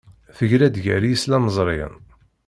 Tegra-d gar yislamẓriyen.